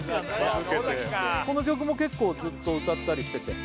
続けてこの曲も結構ずっと歌ったりしてて？